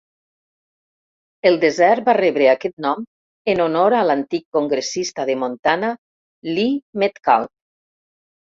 El desert va rebre aquest nom en honor a l'antic congressista de Montana, Lee Metcalf.